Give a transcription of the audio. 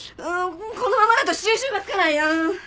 このままだと収拾がつかない。